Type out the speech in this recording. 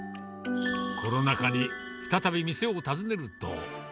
コロナ禍で再び、店を訪ねると。